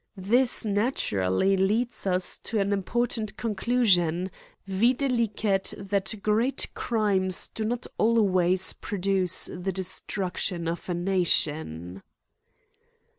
This naturally leadb us to an important conclusion, viz. that great crimes do not always produce the destruction of a nation.